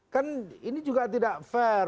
kan ini juga tidak fair